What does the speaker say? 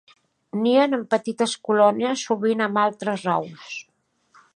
Nien en petites colònies, sovint amb altres aus.